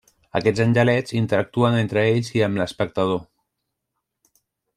Aquests angelets interactuen entre ells i amb l’espectador.